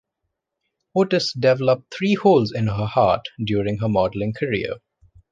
Otis developed three holes in her heart during her modeling career.